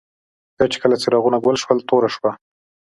بیا چي کله څراغونه ګل شول، توره شوه.